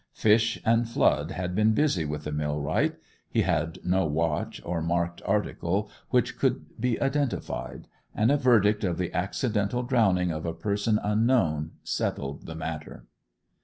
Fish and flood had been busy with the millwright; he had no watch or marked article which could be identified; and a verdict of the accidental drowning of a person unknown settled the matter.